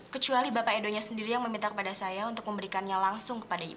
kecuali bapak edonya sendiri yang meminta kepada saya untuk memberikannya langsung kepada ibu